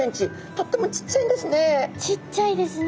とってもちっちゃいんですね。